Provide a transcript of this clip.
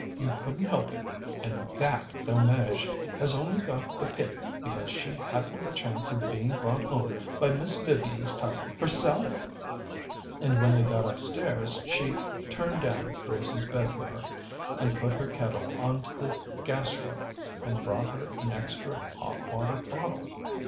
You couldn't help it, and that Delmege has only got the pip because she hadn't the chance of being brought home by Miss Vivian's cousin herself." And when they got upstairs she "turned down" Gracie's bed for her, and put her kettle on to the gas ring, and brought her an extra hot water bottle.